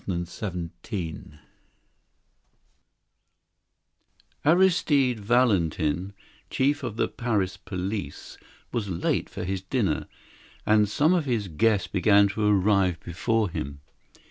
The Secret Garden Aristide Valentin, Chief of the Paris Police, was late for his dinner, and some of his guests began to arrive before him.